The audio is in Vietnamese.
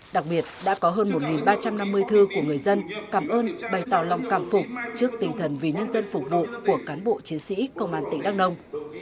đặc biệt đã có hơn một ba trăm năm mươi thư của người dân cảm ơn bày tỏ lòng cảm phục trước tinh thần vì nhân dân phục vụ của cán bộ chiến sĩ công an tỉnh đắk nông